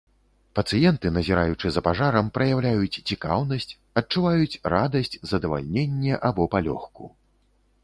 Пацыенты, назіраючы за пажарам, праяўляюць цікаўнасць, адчуваюць радасць, задавальненне або палёгку.